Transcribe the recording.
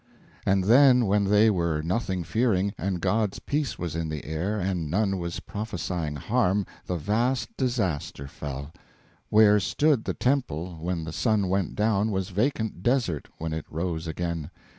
And then when they Were nothing fearing, and God's peace was in the air, And none was prophesying harm, The vast disaster fell: Where stood the temple when the sun went down Was vacant desert when it rose again!